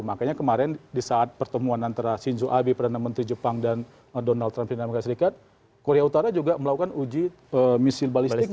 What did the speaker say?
makanya kemarin di saat pertemuan antara shinzo abi perdana menteri jepang dan donald trump di amerika serikat korea utara juga melakukan uji misil balistik